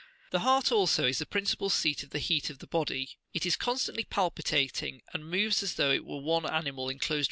The heart also is the principal seat of the heat of the body ; it is constantly palpitating, and moves as though it were one animal enclosed within another.